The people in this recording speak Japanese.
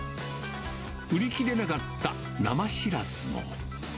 売り切れなかった生シラスも。